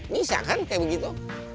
bisa kan kayak begitu